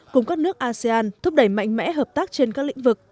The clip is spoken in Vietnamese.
cùng các nước asean thúc đẩy mạnh mẽ hợp tác trên các lĩnh vực